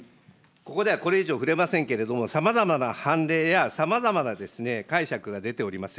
ここではこれ以上触れませんけれども、さまざまな判例や、さまざまな解釈が出ております。